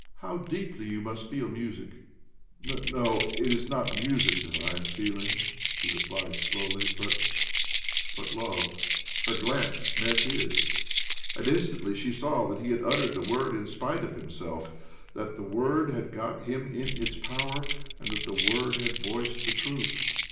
How deeply you must feel music I "" No— it is not music that I am feeling," he replied slowly ;" but— but love !" Her glance met his, and instantly she saw that he had uttered the word in spite of himself, that the word had got him in its power, and that the word had voiced the truth.